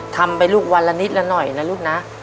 ทำไปลูกวันละนิดละหน่อยนะลูกนะ